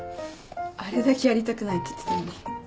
あれだけやりたくないって言ってたのに。